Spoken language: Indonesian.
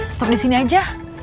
stop disini aja